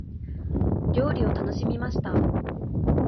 料理を楽しみました。